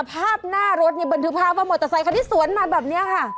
ภาพหน้ารถเนี่ยบันทึกภาพว่ามอเตอร์ไซคันที่สวนมาแบบนี้ค่ะ